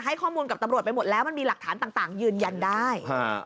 ข้อมูลกับตำรวจไปหมดแล้วมันมีหลักฐานต่างยืนยันได้